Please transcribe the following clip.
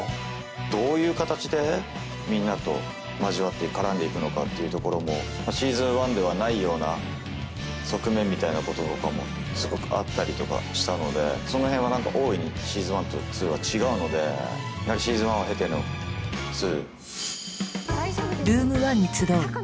どういう形でみんなと交わって絡んでいくのかっていうところも「Ｓｅａｓｏｎ１」ではないような側面みたいなこととかもすごくあったりとかしたのでその辺は何か大いに「Ｓｅａｓｏｎ１」と「２」は違うのでやはり「Ｓｅａｓｏｎ１」を経ての「２」。